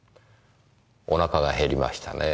お腹が減りましたねぇ。